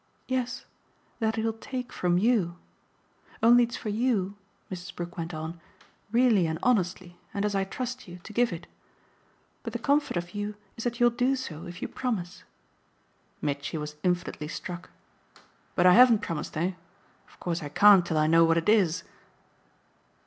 "Yes, that he'll take from YOU. Only it's for you," Mrs. Brook went on, "really and honestly, and as I trust you, to give it. But the comfort of you is that you'll do so if you promise." Mitchy was infinitely struck. "But I haven't promised, eh? Of course I can't till I know what it is."